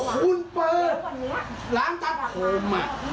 คุณเปอร์ร้านตัดผมอ่ะ